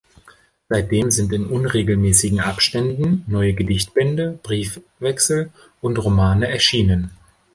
Seitdem sind in unregelmäßigen Abständen neue Gedichtbände, Briefwechsel und Romane erschienen.